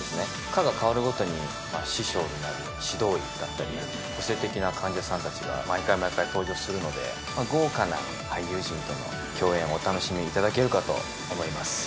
科が変わるごとに師匠になる指導医だったり、個性的な患者さんたちが毎回毎回登場するので、豪華な俳優陣との共演をお楽しみいただけるかと思います。